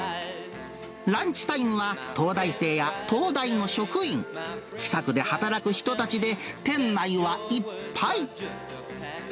ランチタイムは、東大生や東大の職員、近くで働く人たちで、店内はいっぱい。